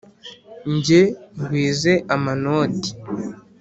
ge ngwize amanoti